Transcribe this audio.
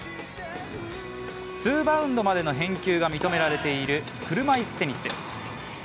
ツーバウンドまでの返球が認められている車いすテニス。